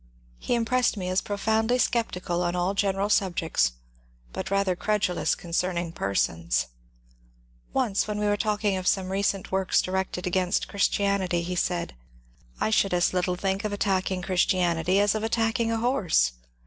He impressed me as profoundly sceptical on all general sub jects, but rather credulous concerning persons. Once, when we were talking of some recent works directed against Chris tianity he said, ^* I should as little think of attacking Chris tianity as of attacking a horse.